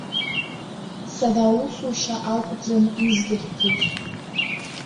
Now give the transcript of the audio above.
Сара аусушьа акәӡан издырӡоз.